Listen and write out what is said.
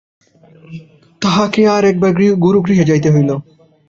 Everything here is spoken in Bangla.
তাহাকে আর একবার গুরুগৃহে যাইতে হইল।